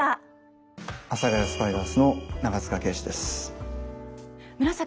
「阿佐ヶ谷スパイダース」の長塚圭史です。